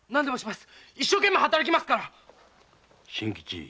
一生懸命働きますから真吉